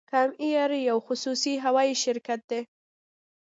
کام ایر یو خصوصي هوایی شرکت دی